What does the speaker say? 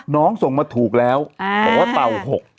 ส่งมาถูกแล้วบอกว่าเต่า๖